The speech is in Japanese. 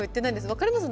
分かります？